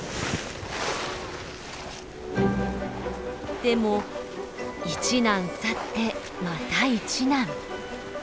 でも一難去ってまた一難。